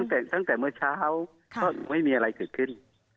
แต่ว่าตั้งแต่เมื่อเช้าก็ไม่มีอะไรขึ้น